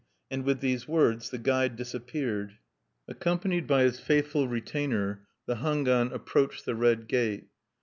And with these words, the guide disappeared. Accompanied by his faithful retainer, the Hangwan approached the red gate.